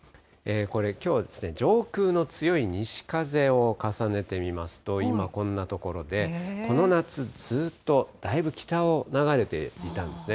きょう、上空の強い西風を重ねてみますと、今、こんなところで、この夏ずっとだいぶ北を流れていたんですね。